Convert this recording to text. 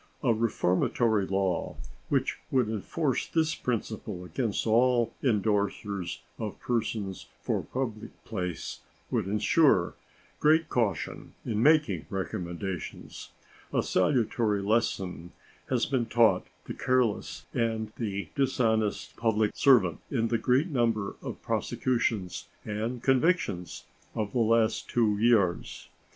A reformatory law which would enforce this principle against all indorsers of persons for public place would insure great caution in making recommendations. A salutary lesson has been taught the careless and the dishonest public servant in the great number of prosecutions and convictions of the last two years.